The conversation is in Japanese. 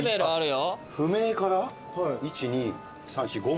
不明から１２３４５まで。